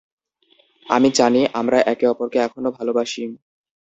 আমি জানি আমরা একে অপরকে এখনো ভালোবাসি।